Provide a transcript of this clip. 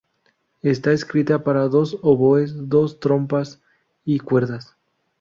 Está escrita para dos oboes, dos trompas y cuerdas.